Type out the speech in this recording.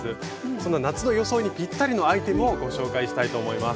そんな夏の装いにピッタリのアイテムをご紹介したいと思います。